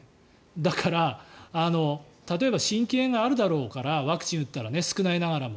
だから、例えば心筋炎があるだろうからワクチンを打ったら少ないながらも。